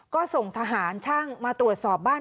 ก็ส่งทหารช่างมาตรวจสอบบ้าน